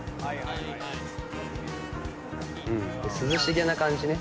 涼しげな感じね